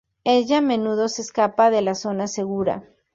Ella a menudo se escapa de la zona segura.